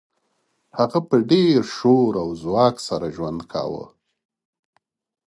هغه په ډیر شور او ځواک سره ژوند کاوه